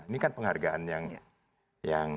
ini kan penghargaan yang